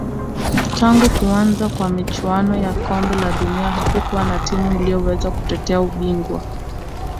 tangu kuanza kwa michuano ya kombe la dunia hakukuwa na timu iliyoweza kutetea ubingwa